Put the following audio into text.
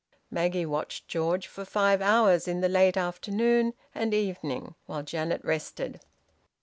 Maggie watched George for five hours in the late afternoon and evening, while Janet rested.